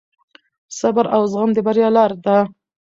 صبر او زغم د بریا لار ده.